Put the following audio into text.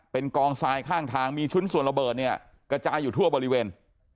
เป็นกองทรายข้างทางมีชิ้นส่วนระเบิดเนี่ยกระจายอยู่ทั่วบริเวณ